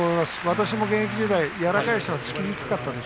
私も現役時代柔らかい人は突きにくかったです。